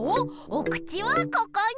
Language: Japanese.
おくちはここに。